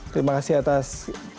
terima kasih atas